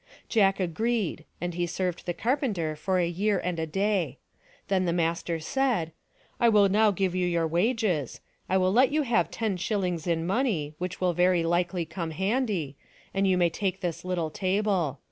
Jack agreed, and. he served the carpenter for a year and a day. Then the master said, " I will now give you your wages. I will let you have ten shillings in money, which will very likely come handy, and you may take this little table.